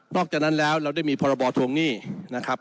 อกจากนั้นแล้วเราได้มีพรบทวงหนี้นะครับ